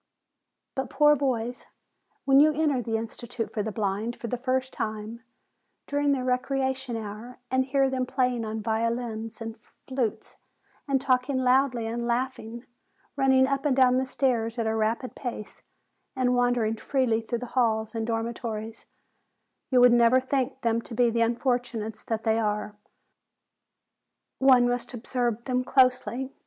"But, poor boys! when you enter the Institute for the Blind for the first time, during their recrea tion hour, and hear them playing on violins and flutes, and talking loudly and laughing, running up and down the stairs at a rapid pace, and wandering freely through the halls and dormitories, you would never think them to be the unfortunates that they are. One must observe them closely.